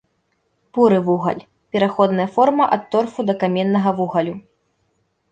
Буры вугаль, пераходная форма ад торфу да каменнага вугалю.